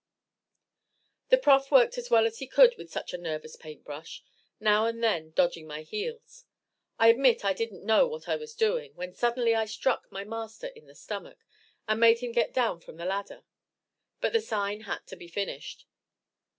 The Prof worked as well as he could with such a nervous paint brush, now and then dodging my heels. I admit I didn't know what I was doing, when suddenly I struck my master in the stomach, and made him get down from the ladder. But the sign had to be finished.